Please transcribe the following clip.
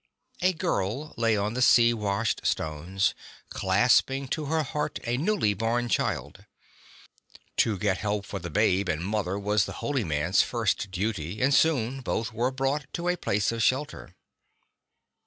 A girl lay on the sea washed stones, clasping to her heart a newly born child. To get help for babe and mother was the holy man's first duty, and soon both were brought to a place of shelter.